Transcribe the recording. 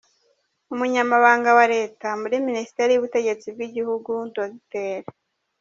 Umunyamabanga wa Leta muri Minisiteri y’Ubutegetsi bw’igihugu, Dr.